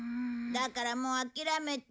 だからもう諦めて。